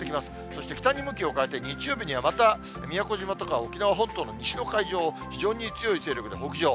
そして北に向きを変えて、日曜日にはまた宮古島とか沖縄本島の西の海上を非常に強い勢力で北上。